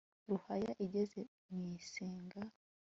ruhaya igeze mw'isenga